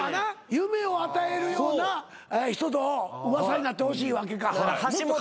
夢を与えるような人と噂になってほしいわけか。